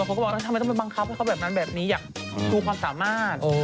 บางคนก็บอกทำไมต้องบังคับให้เขาแบบนั้นแบบนี้อยากถูกความสามารถ